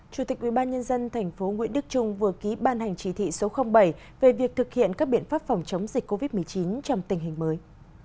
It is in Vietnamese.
chủ tịch ubnd tp nguyễn đức trung vừa ký ban hành chỉ thị số bảy về việc thực hiện các biện pháp phòng chống dịch covid một mươi chín trong tình hình mới